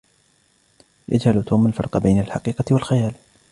يجهل "توم" الفرق بين الحقيقة و الخيال